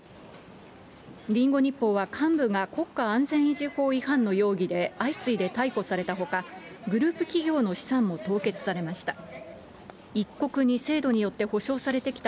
リンゴ日報は、幹部が国家安全維持法違反の容疑で相次いで逮捕されたほか、グループ企業の資産も凍結されました。